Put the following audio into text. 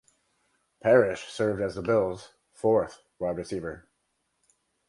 Parrish served as the Bills fourth wide receiver.